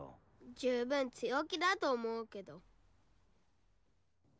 十分強気だと思うけど。